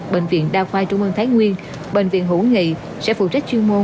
bệnh viện đao khoai trung mương thái nguyên bệnh viện hữu nghị sẽ phụ trách chuyên môn